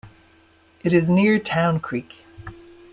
It is near Town Creek.